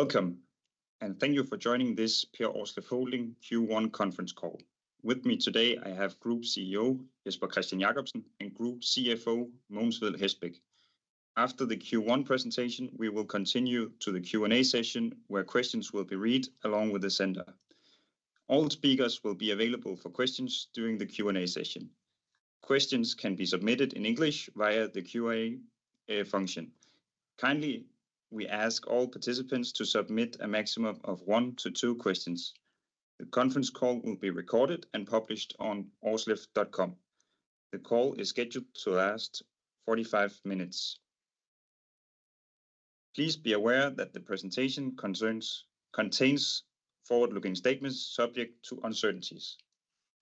Welcome, and thank you for joining this Per Aarsleff Holding Q1 conference call. With me today, I have Group CEO Jesper Kristian Jacobsen and Group CFO Mogens Vedel Hesselberger. After the Q1 presentation, we will continue to the Q&A session, where questions will be read along with the sender. All speakers will be available for questions during the Q&A session. Questions can be submitted in English via the Q&A function. Kindly, we ask all participants to submit a maximum of one to two questions. The conference call will be recorded and published on aarsleff.com. The call is scheduled to last 45 minutes. Please be aware that the presentation contains forward-looking statements subject to uncertainties.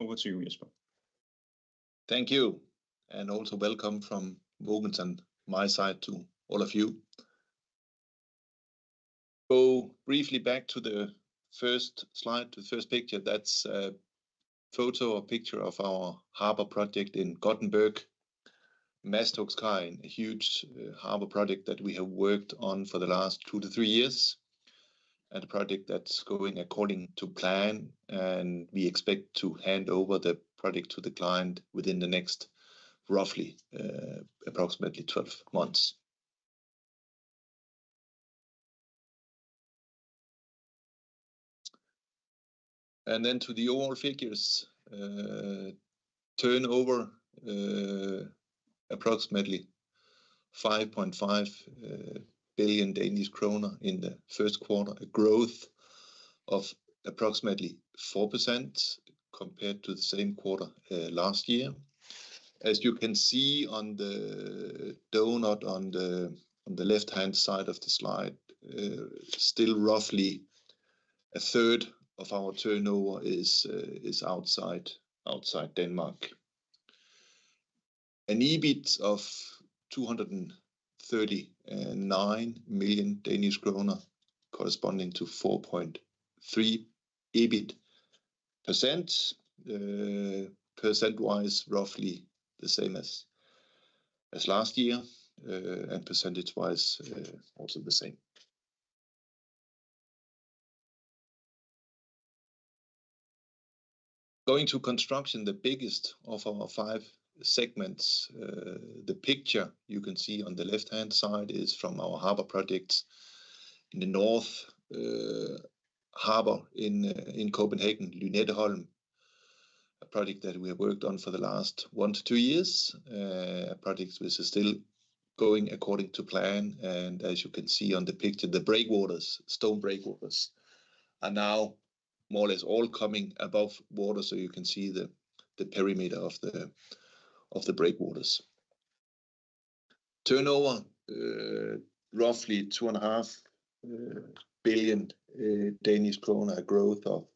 Over to you, Jesper. Thank you, and also welcome from Mogens and my side to all of you. Go briefly back to the first slide, to the first picture. That's a photo or picture of our harbor project in Gothenburg, Masthuggskajen, a huge harbor project that we have worked on for the last two to three years. A project that's going according to plan, and we expect to hand over the project to the client within the next roughly approximately 12 months, and then to the overall figures. Turnover approximately 5.5 billion Danish kroner in the first quarter, a growth of approximately 4% compared to the same quarter last year. As you can see on the doughnut on the left-hand side of the slide, still roughly a third of our turnover is outside Denmark. An EBIT of 239 million Danish kroner, corresponding to 4.3% EBIT. Percent-wise, roughly the same as last year, and percentage-wise also the same. Going to construction, the biggest of our five segments. The picture you can see on the left-hand side is from our harbor projects in the north, harbor in Copenhagen, Lynetteholm. A project that we have worked on for the last one to two years. A project which is still going according to plan, and as you can see on the picture, the breakwaters, stone breakwaters, are now more or less all coming above water, so you can see the perimeter of the breakwaters. Turnover, roughly 2.5 billion Danish kroner, a growth of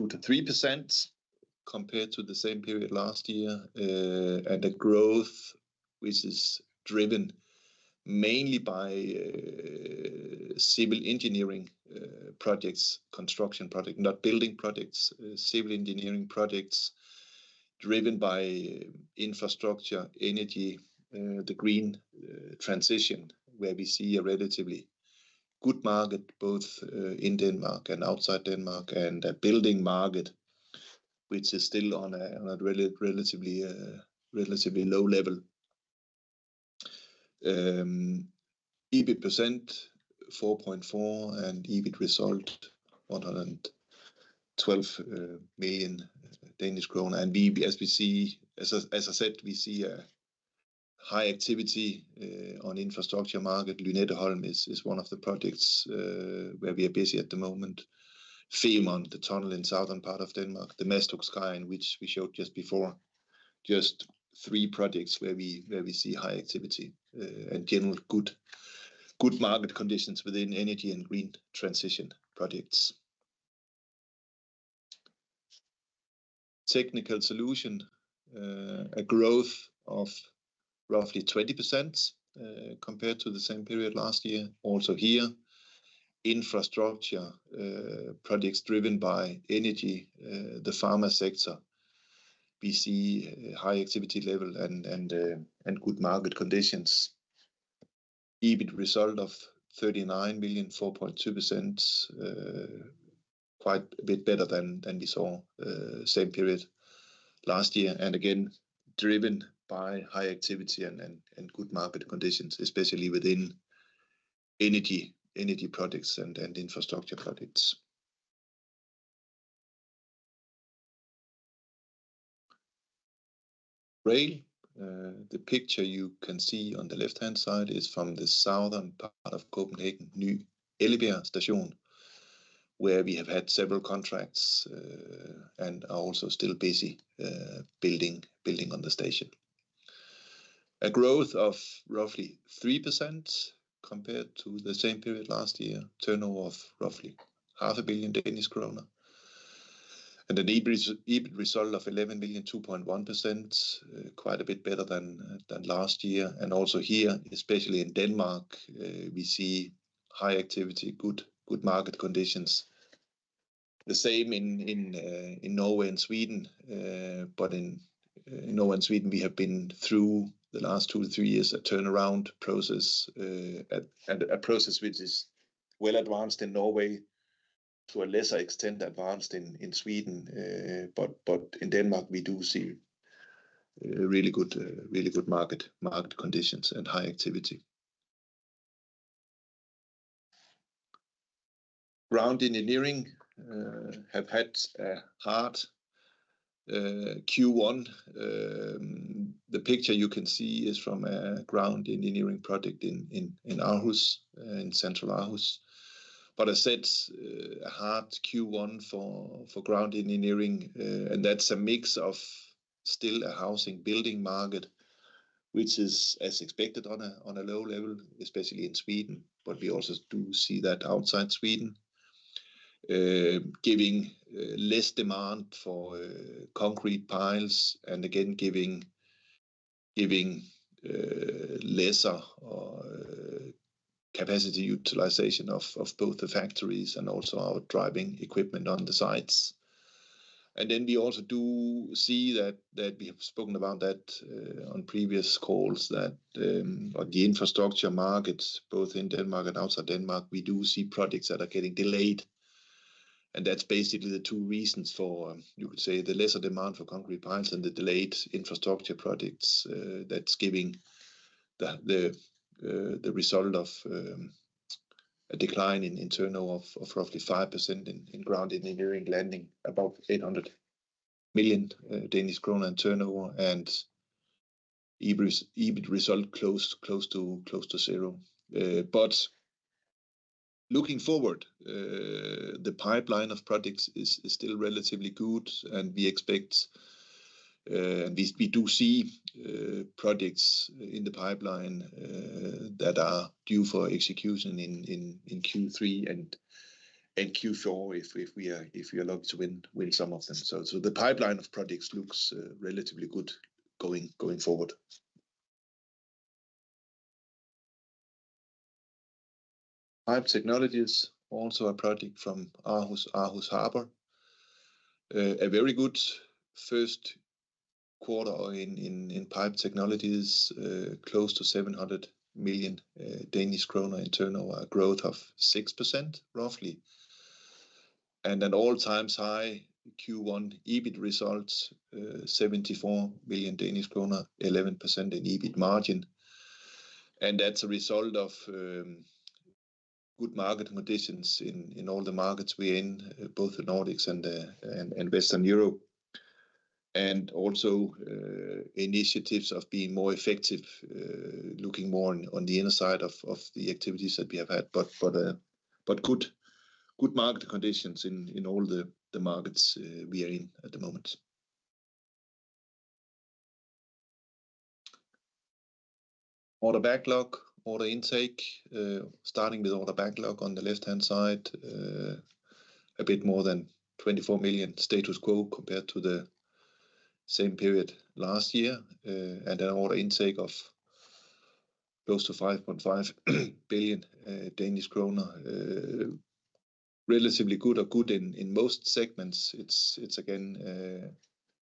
2%-3% compared to the same period last year. The growth, which is driven mainly by civil engineering projects, construction projects, not building projects, civil engineering projects driven by infrastructure, energy, the green transition, where we see a relatively good market both in Denmark and outside Denmark, and a building market which is still on a relatively low level. EBIT 4.4%, and EBIT result, 112 million Danish krone. And as we see, as I said, we see a high activity on the infrastructure market. Lynetteholm is one of the projects where we are busy at the moment. Fehmarn, the tunnel in the southern part of Denmark, the Masthugkaj, which we showed just before, just three projects where we see high activity and general good market conditions within energy and green transition projects. Technical solution, a growth of roughly 20% compared to the same period last year. Also here, infrastructure projects driven by energy, the pharma sector. We see a high activity level and good market conditions. EBIT result of 39 million, 4.2%, quite a bit better than we saw the same period last year, and again, driven by high activity and good market conditions, especially within energy projects and infrastructure projects. Rail, the picture you can see on the left-hand side is from the southern part of Copenhagen, Ny Ellebjerg Station, where we have had several contracts and are also still busy building on the station. A growth of roughly 3% compared to the same period last year, turnover of roughly 500 million Danish kroner, and an EBIT result of 11 million, 2.1%, quite a bit better than last year, and also here, especially in Denmark, we see high activity, good market conditions. The same in Norway and Sweden. But in Norway and Sweden, we have been through the last two to three years a turnaround process, a process which is well advanced in Norway, to a lesser extent advanced in Sweden. But in Denmark, we do see really good market conditions and high activity. Ground engineering has had a hard Q1. The picture you can see is from a ground engineering project in Aarhus, in central Aarhus. But I said a hard Q1 for ground engineering, and that's a mix of still a housing building market, which is, as expected, on a low level, especially in Sweden. But we also do see that outside Sweden, giving less demand for concrete piles and again, giving lesser capacity utilization of both the factories and also our driving equipment on the sites. And then we also do see that we have spoken about that on previous calls, that the infrastructure markets, both in Denmark and outside Denmark, we do see projects that are getting delayed. And that's basically the two reasons for, you could say, the lesser demand for concrete piles and the delayed infrastructure projects that's giving the result of a decline in turnover of roughly 5% in ground engineering landing about 800 million Danish kroner in turnover, and EBIT result close to zero. But looking forward, the pipeline of projects is still relatively good, and we expect, and we do see projects in the pipeline that are due for execution in Q3 and Q4 if we are lucky to win some of them. So the pipeline of projects looks relatively good going forward. Pipe technology is also a project from Aarhus Harbor. A very good first quarter in pipe technologies, close to 700 million Danish kroner in turnover, a growth of 6% roughly, and an all-time high Q1 EBIT result, 74 million Danish kroner, 11% EBIT margin. And that's a result of good market conditions in all the markets we're in, both the Nordics and Western Europe. And also initiatives of being more effective, looking more on the inside of the activities that we have had, but good market conditions in all the markets we are in at the moment. Order backlog, order intake, starting with order backlog on the left-hand side, a bit more than 24 million status quo compared to the same period last year, and an order intake of close to 5.5 billion Danish kroner, relatively good or good in most segments. It's again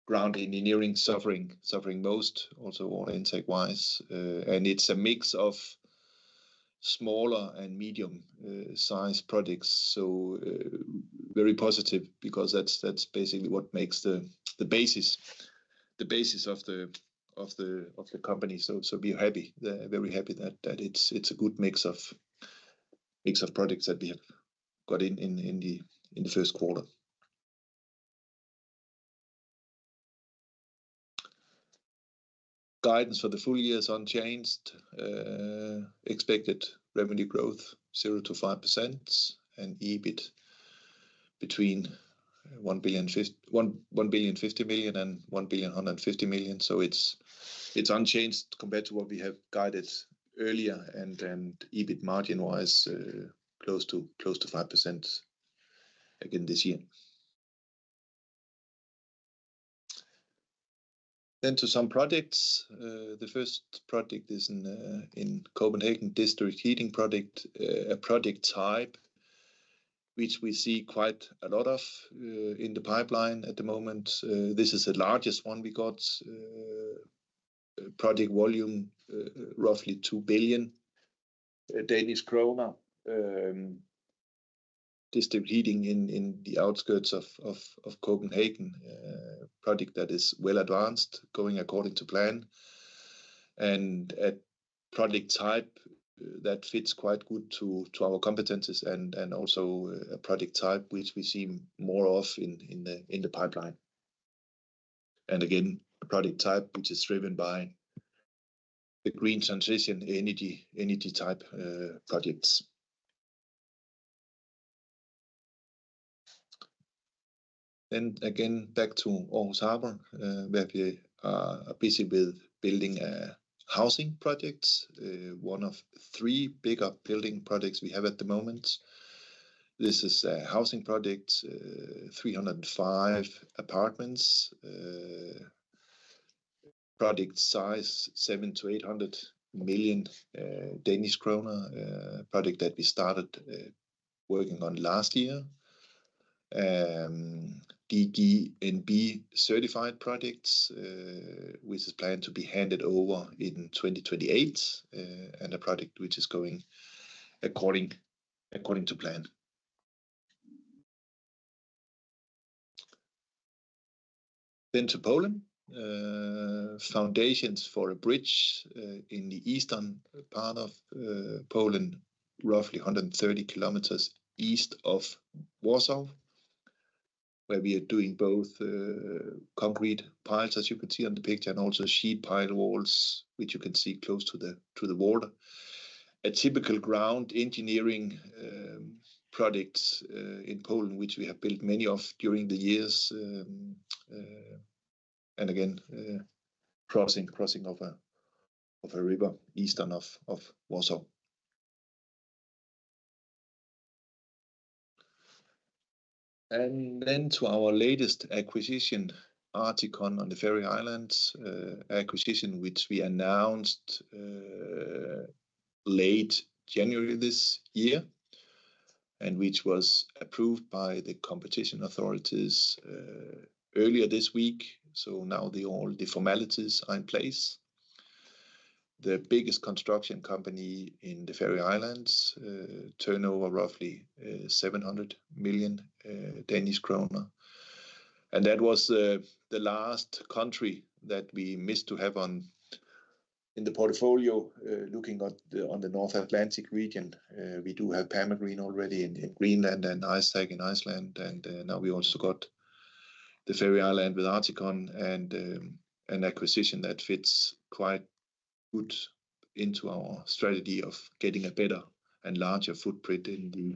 ground engineering suffering most, also order intake-wise. It's a mix of smaller and medium-sized projects, so very positive because that's basically what makes the basis of the company. We're happy, very happy that it's a good mix of products that we have got in the first quarter. Guidance for the full year is unchanged. Expected revenue growth 0-5%, and EBIT between DKK 1.05 billion and 1.15 billion. It's unchanged compared to what we have guided earlier, and EBIT margin-wise, close to 5% again this year. To some projects. The first project is in Copenhagen district heating project, a project type which we see quite a lot of in the pipeline at the moment. This is the largest one we got, project volume roughly DKK 2 billion. District heating in the outskirts of Copenhagen, project that is well advanced, going according to plan. A project type that fits quite good to our competencies and also a project type which we see more of in the pipeline. Again, a project type which is driven by the green transition energy type projects. Again, back to Aarhus Harbor, where we are busy with building housing projects, one of three bigger building projects we have at the moment. This is a housing project, 305 apartments, project size 7 million-800 million Danish kroner, project that we started working on last year. DGNB certified projects, which is planned to be handed over in 2028, and a project which is going according to plan. Then to Poland, foundations for a bridge in the eastern part of Poland, roughly 130 km east of Warsaw, where we are doing both concrete piles, as you can see on the picture, and also sheet pile walls, which you can see close to the water. A typical ground engineering project in Poland, which we have built many of during the years. And again, crossing of a river eastern of Warsaw. And then to our latest acquisition, Articon on the Faroe Islands, acquisition which we announced late January this year, and which was approved by the competition authorities earlier this week. So now all the formalities are in place. The biggest construction company in the Faroe Islands, turnover roughly 700 million Danish kroner. And that was the last country that we missed to have in the portfolio, looking at the North Atlantic region. We do have PermaGreen already in Greenland and Istak in Iceland. And now we also got the Faroe Islands with Articon and an acquisition that fits quite good into our strategy of getting a better and larger footprint in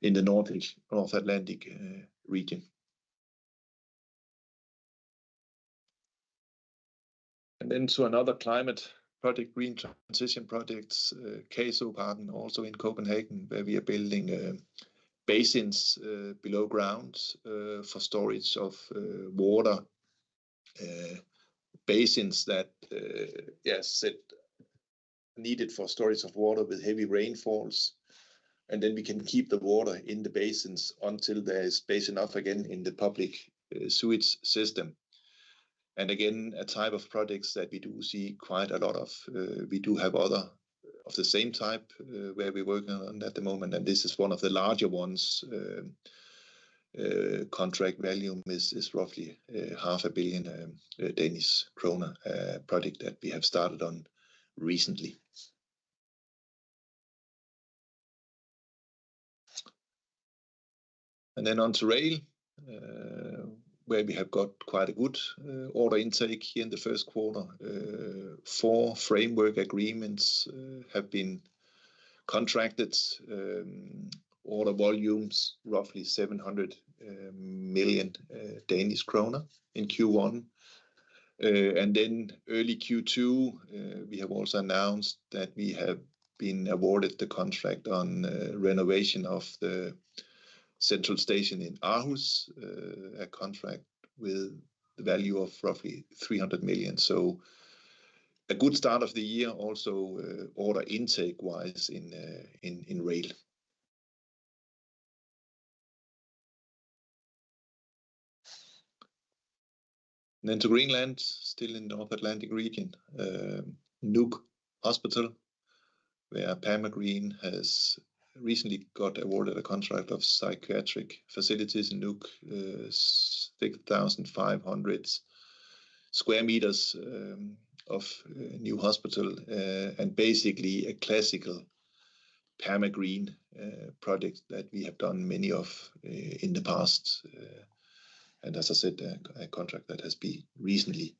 the North Atlantic region. And then to another climate project, green transition projects, Kaysergården, also in Copenhagen, where we are building basins below ground for storage of water. Basins that are needed for storage of water with heavy rainfalls. And then we can keep the water in the basins until there is space enough again in the public sewage system. And again, a type of projects that we do see quite a lot of. We do have other of the same type where we're working on at the moment. And this is one of the larger ones. Contract value is roughly 500 million Danish krone project that we have started on recently, and then onto rail, where we have got quite a good order intake here in the first quarter. Four framework agreements have been contracted, order volumes roughly 700 million Danish kroner in Q1, and then early Q2, we have also announced that we have been awarded the contract on renovation of the central station in Aarhus, a contract with the value of roughly 300 million, so a good start of the year, also order intake-wise in rail. Then to Greenland, still in the North Atlantic region, Nuuk Hospital, where PermaGreen has recently got awarded a contract of psychiatric facilities in Nuuk, 6,500 sq m of new hospital, and basically a classical PermaGreen project that we have done many of in the past. And as I said, a contract that has been recently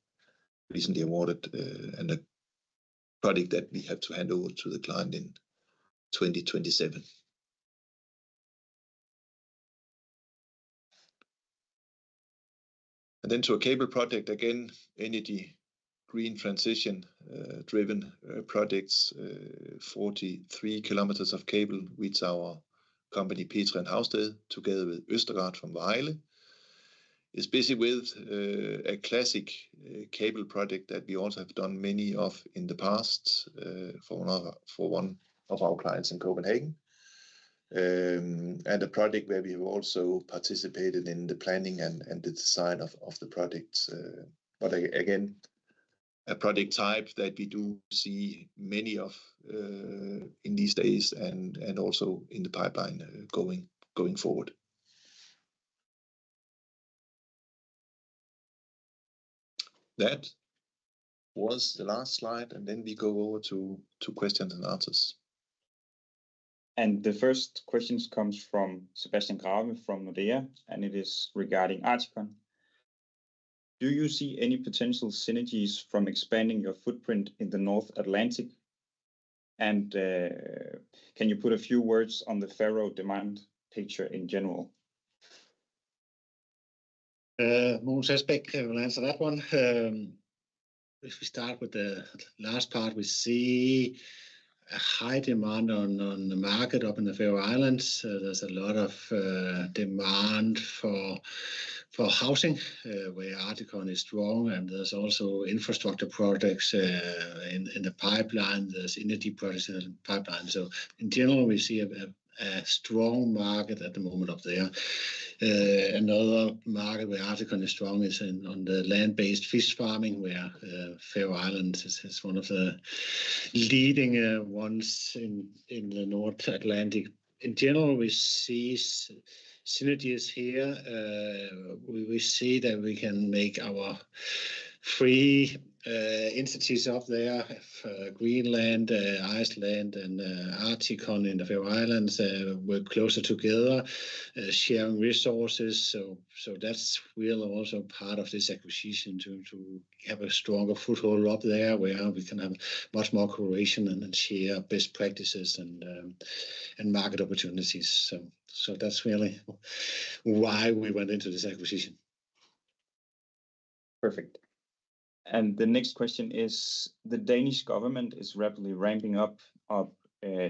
awarded and a project that we have to hand over to the client in 2027. And then to a cable project again, energy green transition driven projects, 43 kilometers of cable with our company Petri & Haugsted together with Østergaard from Vejle. It's busy with a classic cable project that we also have done many of in the past for one of our clients in Copenhagen. And a project where we have also participated in the planning and the design of the project. But again, a project type that we do see many of in these days and also in the pipeline going forward. That was the last slide, and then we go over to questions and answers. And the first question comes from Sebastian Graabæk from Nordea, and it is regarding Articon. Do you see any potential synergies from expanding your footprint in the North Atlantic? And can you put a few words on the Faroe demand picture in general? Mogens Vedel will answer that one. If we start with the last part, we see a high demand on the market up in the Faroe Islands. There's a lot of demand for housing where Articon is strong, and there's also infrastructure projects in the pipeline. There's energy projects in the pipeline. So in general, we see a strong market at the moment up there. Another market where Articon is strong is on the land-based fish farming where Faroe Islands is one of the leading ones in the North Atlantic. In general, we see synergies here. We see that we can make our three entities up there, Greenland, Iceland, and Articon in the Faroe Islands, work closer together, sharing resources. So that's really also part of this acquisition to have a stronger foothold up there where we can have much more cooperation and share best practices and market opportunities. So that's really why we went into this acquisition. Perfect. And the next question is, the Danish government is rapidly ramping up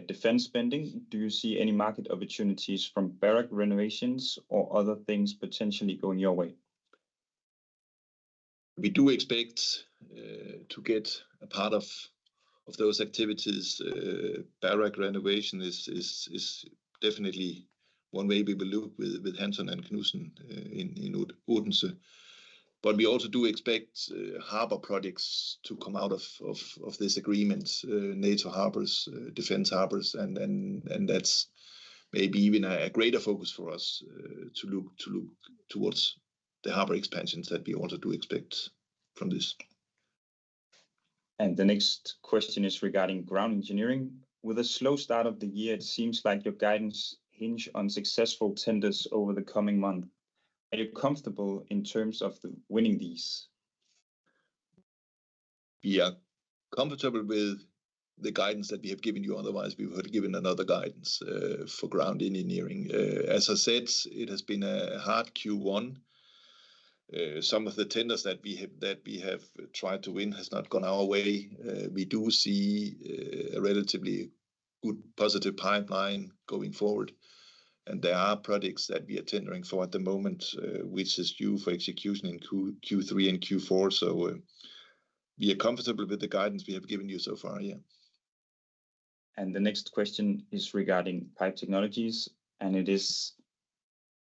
defense spending. Do you see any market opportunities from Barracks Renovations or other things potentially going your way? We do expect to get a part of those activities. Barracks Renovation is definitely one way we will look with Hansson & Knudsen in Odense. But we also do expect harbor projects to come out of this agreement, NATO harbors, defense harbors. And that's maybe even a greater focus for us to look towards the harbor expansions that we also do expect from this. And the next question is regarding ground engineering. With a slow start of the year, it seems like your guidance hinged on successful tenders over the coming month. Are you comfortable in terms of winning these? We are comfortable with the guidance that we have given you. Otherwise, we would have given another guidance for ground engineering. As I said, it has been a hard Q1. Some of the tenders that we have tried to win have not gone our way. We do see a relatively good positive pipeline going forward. And there are projects that we are tendering for at the moment, which is due for execution in Q3 and Q4. So we are comfortable with the guidance we have given you so far, yeah. And the next question is regarding pipe technologies, and it is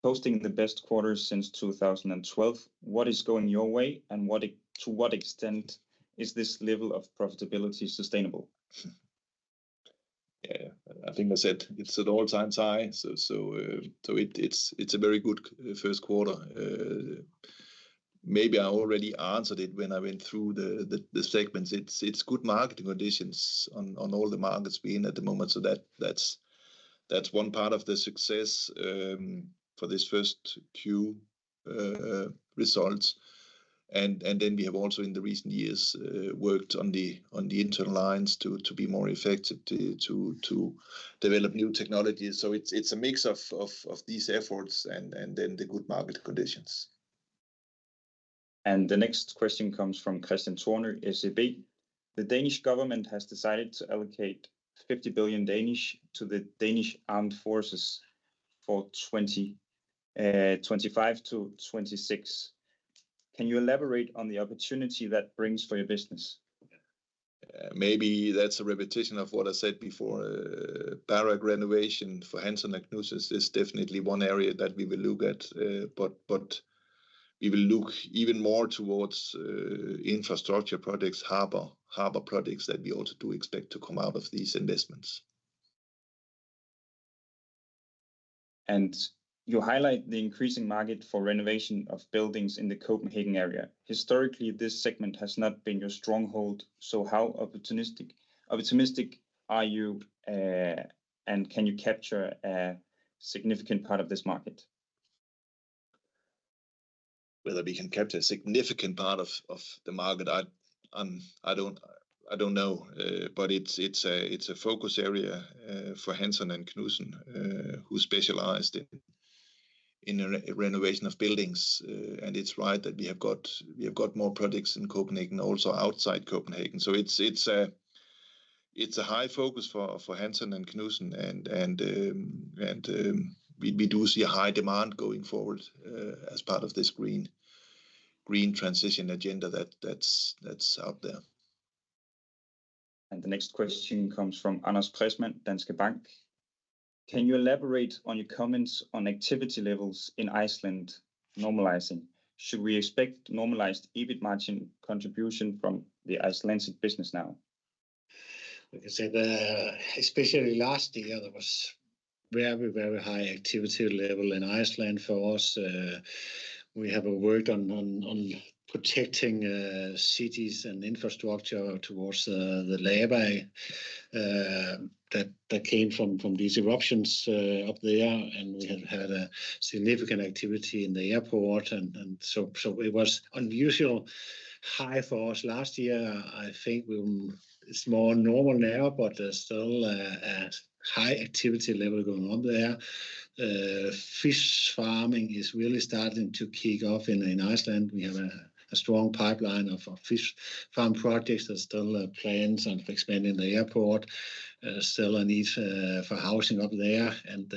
posting the best quarter since 2012. What is going your way, and to what extent is this level of profitability sustainable? Yeah, I think I said it's at all-time high. So it's a very good first quarter. Maybe I already answered it when I went through the segments. It's good market conditions on all the markets we're in at the moment. So that's one part of the success for this first Q results. And then we have also in the recent years worked on the internal lines to be more effective, to develop new technologies. So it's a mix of these efforts and then the good market conditions. And the next question comes from Christian Turner, SEB. The Danish government has decided to allocate 50 billion to the Danish Armed Forces for 2025 to 2026. Can you elaborate on the opportunity that brings for your business? Maybe that's a repetition of what I said before. Barracks Renovation for Hansson & Knudsen is definitely one area that we will look at, but we will look even more towards infrastructure projects, harbor projects that we also do expect to come out of these investments. And you highlight the increasing market for renovation of buildings in the Copenhagen area. Historically, this segment has not been your stronghold. So how optimistic are you, and can you capture a significant part of this market? Whether we can capture a significant part of the market, I don't know. But it's a focus area for Hansson & Knudsen, who specialized in renovation of buildings. And it's right that we have got more projects in Copenhagen, also outside Copenhagen. So it's a high focus for Hansson & Knudsen, and we do see a high demand going forward as part of this green transition agenda that's out there. And the next question comes from Anders Pries-Møller, Danske Bank. Can you elaborate on your comments on activity levels in Iceland normalizing? Should we expect normalized EBIT margin contribution from the Icelandic business now? Like I said, especially last year, there was very, very high activity level in Iceland for us. We have worked on protecting cities and infrastructure towards the labor that came from these eruptions up there. And we have had significant activity in the airport. And so it was unusually high for us last year. I think it's more normal now, but there's still a high activity level going on there. Fish farming is really starting to kick off in Iceland. We have a strong pipeline of fish farm projects. There's still plans on expanding the airport. There's still a need for housing up there. And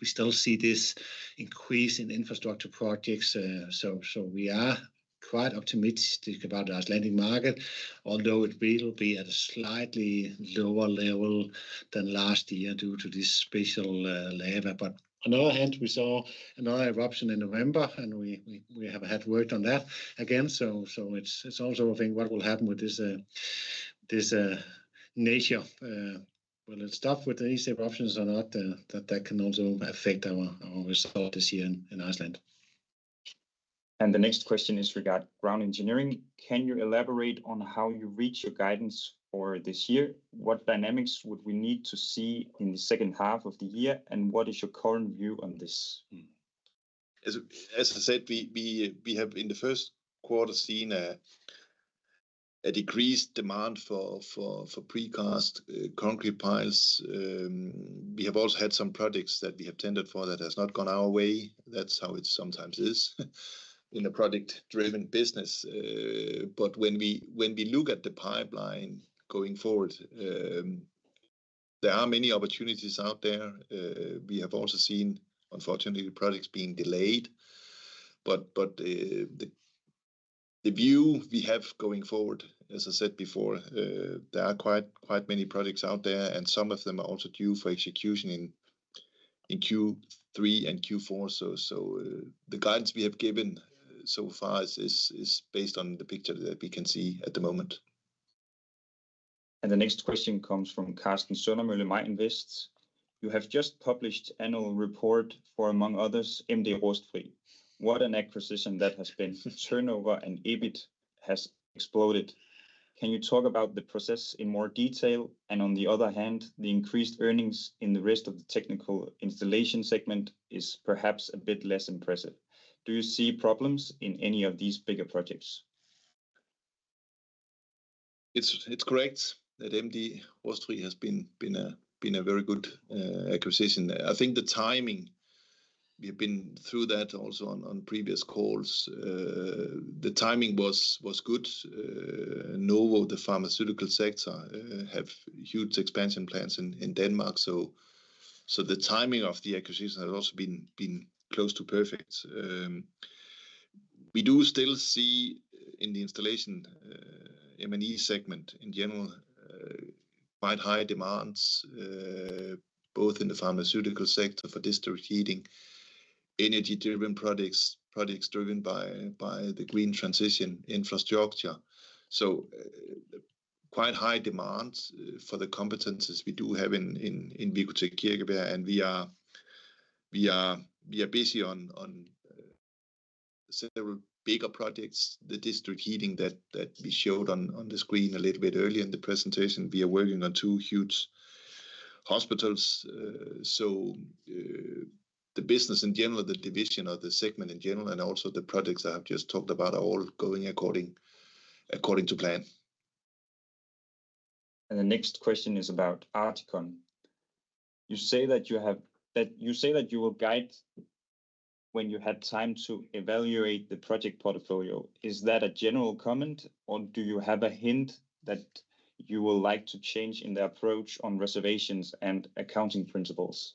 we still see this increase in infrastructure projects. We are quite optimistic about the Icelandic market, although it will be at a slightly lower level than last year due to this special labor. But on the other hand, we saw another eruption in November, and we have worked on that again. So it's also a thing what will happen with this nature. Whether it's tough with these eruptions or not, that can also affect our result this year in Iceland. And the next question is regarding ground engineering. Can you elaborate on how you reach your guidance for this year? What dynamics would we need to see in the second half of the year? And what is your current view on this? As I said, we have in the first quarter seen a decreased demand for precast concrete piles. We have also had some projects that we have tendered for that have not gone our way. That's how it sometimes is in a project-driven business. But when we look at the pipeline going forward, there are many opportunities out there. We have also seen, unfortunately, projects being delayed. But the view we have going forward, as I said before, there are quite many projects out there, and some of them are also due for execution in Q3 and Q4. So the guidance we have given so far is based on the picture that we can see at the moment. And the next question comes from Karsten Søndermølle, Maj Invest. You have just published annual report for, among others, MD Rustfri. What an acquisition that has been. Turnover and EBIT has exploded. Can you talk about the process in more detail? And on the other hand, the increased earnings in the rest of the technical installation segment is perhaps a bit less impressive. Do you see problems in any of these bigger projects? It's correct that MD Rustfri has been a very good acquisition. I think the timing, we have been through that also on previous calls. The timing was good. Novo, the pharmaceutical sector, has huge expansion plans in Denmark. So the timing of the acquisition has also been close to perfect. We do still see in the installation M&E segment in general quite high demands, both in the pharmaceutical sector for district heating, energy-driven projects, projects driven by the green transition infrastructure. So quite high demand for the competencies we do have in Wicotec Kirkebjerg. And we are busy on several bigger projects, the district heating that we showed on the screen a little bit earlier in the presentation. We are working on two huge hospitals. So the business in general, the division of the segment in general, and also the projects I have just talked about are all going according to plan. And the next question is about Articon. You say that you will guide when you had time to evaluate the project portfolio. Is that a general comment, or do you have a hint that you will like to change in the approach on reservations and accounting principles?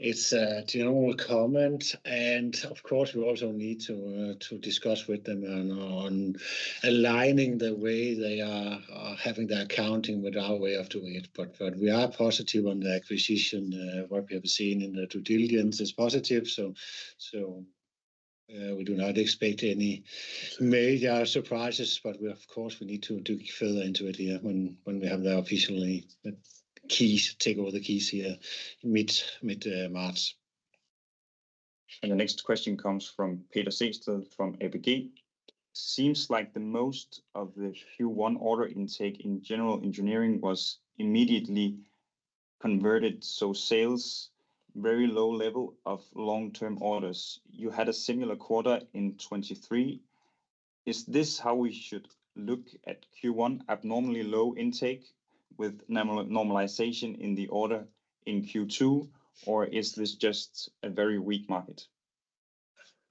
It's a general comment. And of course, we also need to discuss with them on aligning the way they are having their accounting with our way of doing it. But we are positive on the acquisition. What we have seen in the due diligence is positive. So we do not expect any major surprises. But of course, we need to dig further into it here when we have the official keys, take over the keys here mid-March. And the next question comes from Peter Sehested from ABG. Seems like the most of the Q1 order intake in general engineering was immediately converted. So sales, very low level of long-term orders. You had a similar quarter in 2023. Is this how we should look at Q1? Abnormally low intake with normalization in the order in Q2, or is this just a very weak market?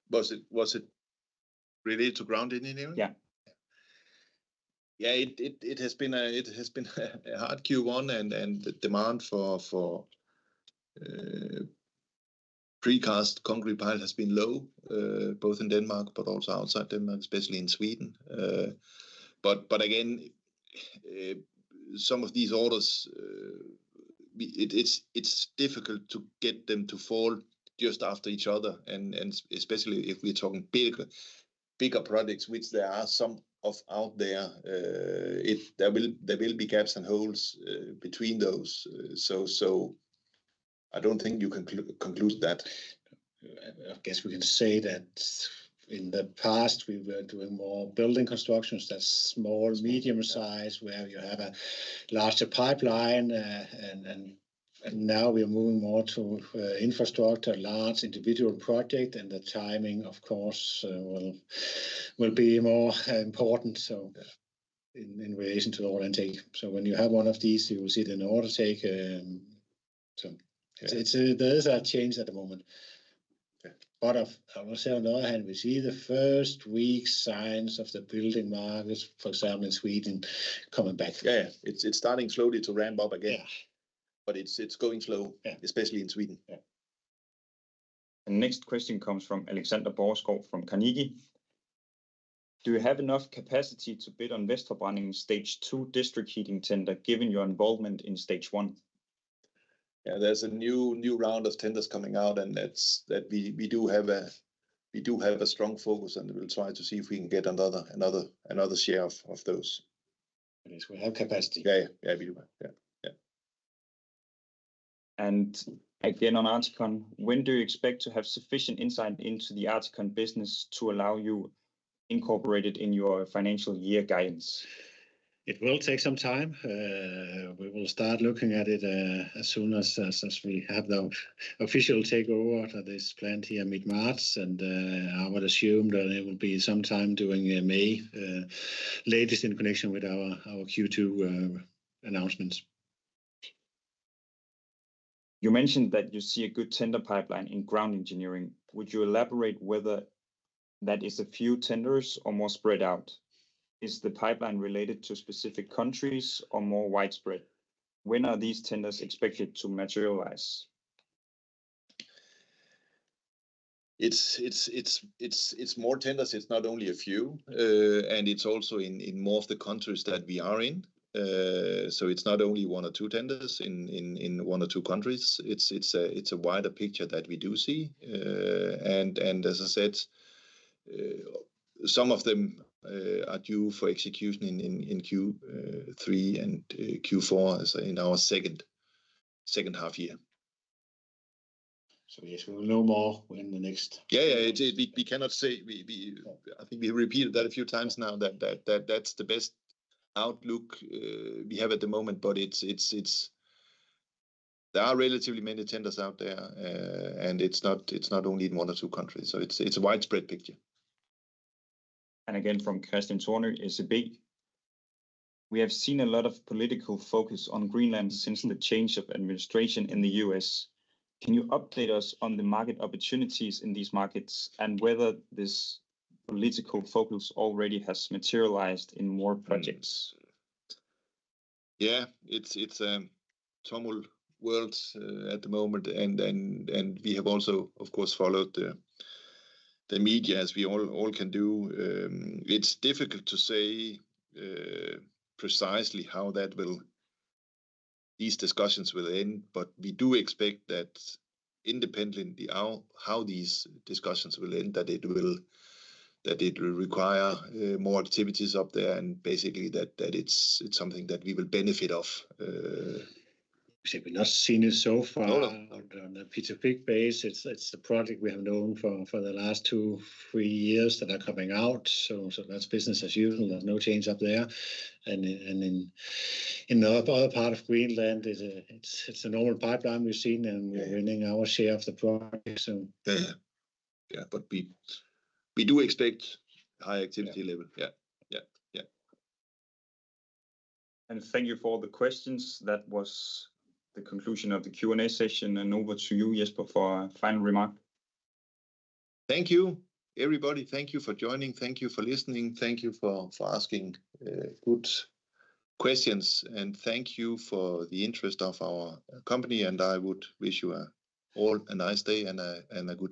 Was it related to ground engineering? Yeah. Yeah, it has been a hard Q1, and the demand for precast concrete piles has been low, both in Denmark but also outside Denmark, especially in Sweden. But again, some of these orders, it's difficult to get them to fall just after each other. And especially if we're talking bigger projects, which there are some out there, there will be gaps and holes between those. So I don't think you can conclude that. I guess we can say that in the past, we were doing more building constructions that are small, medium-sized, where you have a larger pipeline. And now we are moving more to infrastructure, large individual projects. And the timing, of course, will be more important in relation to order intake. So when you have one of these, you will see the order intake. So those are changed at the moment. But on the other hand, we see the first weak signs of the building market, for example, in Sweden, coming back. Yeah, it's starting slowly to ramp up again. But it's going slow, especially in Sweden. And the next question comes from Alexander Busch from Carnegie. Do you have enough capacity to bid on Vestforbrænding's stage two district heating tender, given your involvement in stage one? Yeah, there's a new round of tenders coming out, and we do have a strong focus, and we'll try to see if we can get another share of those. At least we have capacity. Yeah, yeah, we do. Yeah, yeah. And again, on Articon, when do you expect to have sufficient insight into the Articon business to allow you to incorporate it in your financial year guidance? It will take some time. We will start looking at it as soon as we have the official takeover of this plant here mid-March. And I would assume that it will be sometime during May, latest in connection with our Q2 announcements. You mentioned that you see a good tender pipeline in ground engineering. Would you elaborate whether that is a few tenders or more spread out? Is the pipeline related to specific countries or more widespread? When are these tenders expected to materialize? It's more tenders. It's not only a few. And it's also in more of the countries that we are in. So it's not only one or two tenders in one or two countries. It's a wider picture that we do see. And as I said, some of them are due for execution in Q3 and Q4 in our second half year. So there's no more in the next. Yeah, yeah. We cannot say. I think we repeated that a few times now that that's the best outlook we have at the moment. But there are relatively many tenders out there, and it's not only in one or two countries. So it's a widespread picture. And again, from Christian Turner, SEB. We have seen a lot of political focus on Greenland since the change of administration in the U.S. Can you update us on the market opportunities in these markets and whether this political focus already has materialized in more projects? Yeah, it's a tumultuous world at the moment, and we have also, of course, followed the media as we all can do. It's difficult to say precisely how these discussions will end, but we do expect that independently how these discussions will end, that it will require more activities up there. And basically, that it's something that we will benefit of. We've not seen it so far on a per project basis. It's a project we have known for the last two, three years that are coming out. So that's business as usual. There's no change up there. In the other part of Greenland, it's a normal pipeline we've seen, and we're winning our share of the project. Yeah, but we do expect high activity level. Yeah, yeah, yeah. Thank you for the questions. That was the conclusion of the Q&A session. Over to you, Jesper, for a final remark. Thank you, everybody. Thank you for joining. Thank you for listening. Thank you for asking good questions. Thank you for the interest of our company. I would wish you all a nice day and a good.